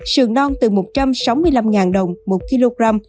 sườn non từ một trăm sáu mươi năm đồng một kg